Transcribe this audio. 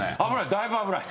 だいぶ危ない。